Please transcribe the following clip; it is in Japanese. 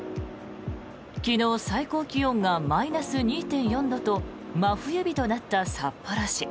昨日、最高気温がマイナス２．４度と真冬日となった札幌市。